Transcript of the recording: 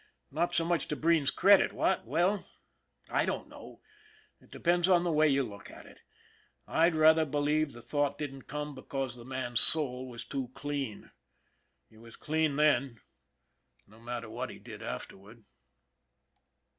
Not so much to Breen's credit, what? Well, I don't know, it de pends on the way you look at it. I'd rather believe the thought didn't come because the man's soul was too clean. It was clean them no matter what he did after ward.